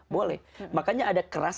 boleh makanya ada keras